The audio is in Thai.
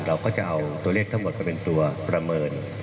เราก็จะเอาตัวเลขทั้งหมดไปเป็นตัวประเมิน